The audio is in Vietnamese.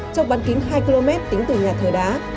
trong bán kính hai km tính từ nhà thờ đá